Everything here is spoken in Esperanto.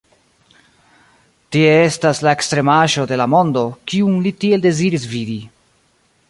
Tie estas la ekstremaĵo de la mondo, kiun li tiel deziris vidi.